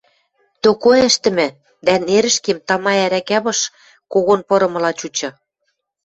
Токо ӹштӹмӹ, дӓ нерӹшкем тама ӓрӓкӓ пыш когон пырымыла чучы.